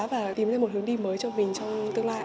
và tìm ra một hướng đi mới cho mình trong tương lai